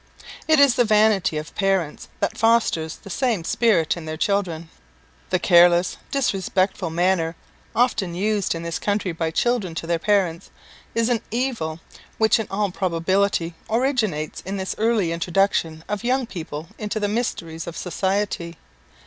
It is the vanity of parents that fosters the same spirit in their children. The careless, disrespectful manner often used in this country by children to their parents, is an evil which in all probability originates in this early introduction of young people into the mysteries of society.